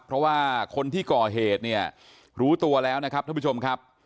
เพราะว่าคนที่ก่อเหตุเนี่ยรู้ตัวแล้วนะครับท่านผู้ชมครับ